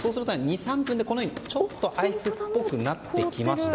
２３分でこのように、ちょっとアイスっぽくなってきました。